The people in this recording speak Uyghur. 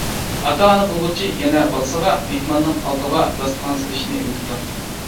ئاتا-ئانا بولغۇچى يەنە بالىسىغا مېھماننىڭ ئالدىغا داستىخان سېلىشنى ئۆگىتىدۇ.